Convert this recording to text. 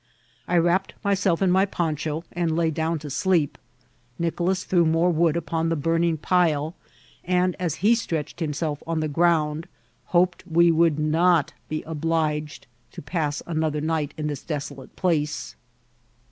I wrapped myself in my poncha and lay down to sleep. Nicolas threw more wood upon the burning pile ; and, as he stretched himself on the ground, hoped we would not be obliged to pass another night in this desolate place.